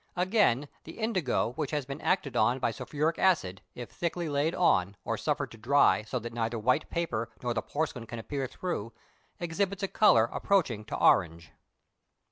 Again, the indigo which has been acted on by sulphuric acid, if thickly laid on, or suffered to dry so that neither white paper nor the porcelain can appear through, exhibits a colour approaching to orange.